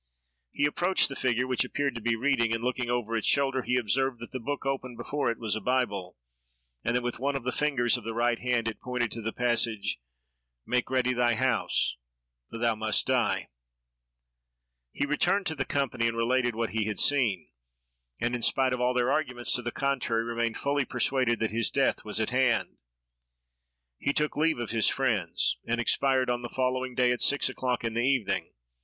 He approached the figure, which appeared to be reading, and, looking over its shoulder, he observed that the book open before it was a bible, and that, with one of the fingers of the right hand, it pointed to the passage—"Make ready thy house, for thou must die!" He returned to the company, and related what he had seen, and, in spite of all their arguments to the contrary, remained fully persuaded that his death was at hand. He took leave of his friends, and expired on the following day, at six o'clock in the evening.